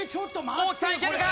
大木さんいけるか？